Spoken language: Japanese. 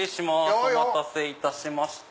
お待たせいたしました。